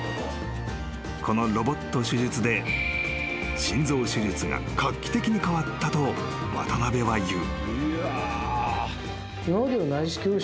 ［このロボット手術で心臓手術が画期的に変わったと渡邊は言う］